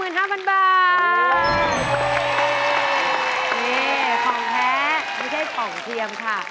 นี่ค่ะของแพ้ไม่ค่ะของเทียมค่ะ